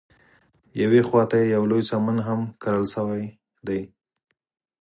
یوې خواته یې یو لوی چمن هم کرل شوی دی.